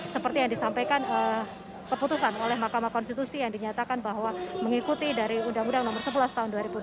seperti yang disampaikan keputusan oleh mahkamah konstitusi yang dinyatakan bahwa mengikuti dari undang undang nomor sebelas tahun dua ribu enam belas